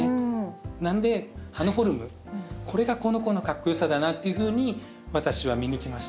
なので葉のフォルムこれがこの子のかっこよさだなっていうふうに私は見抜きました。